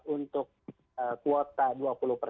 untuk kursi untuk kegiatan untuk kegiatan